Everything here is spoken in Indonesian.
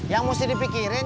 yang mesti dipikirin